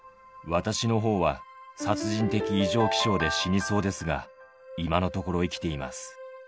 私のほうは殺人的異常気象で死にそうですが、今のところ生きています。